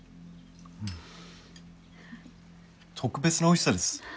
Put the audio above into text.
特別なおいしさです。